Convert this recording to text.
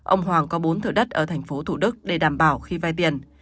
ông hoàng có bốn thửa đất ở thành phố thủ đức để đảm bảo khi vay tiền